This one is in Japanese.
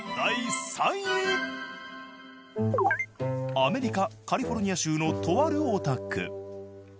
アメリカカリフォルニア州のとあるお宅。